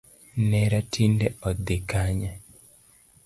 Nera tinde odhi Kanye?